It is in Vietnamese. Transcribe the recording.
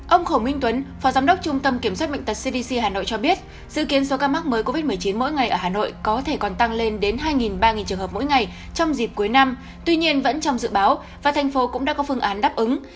ông khổ minh tuấn phó giám đốc trung tâm kiểm soát bệnh tật cdc hà nội cho biết dự kiến số ca mắc mới covid một mươi chín mỗi ngày ở hà nội có thể còn tăng lên đến hai ba trường hợp mỗi ngày trong dịp cuối năm tuy nhiên vẫn trong dự báo và thành phố cũng đã có phương án đáp ứng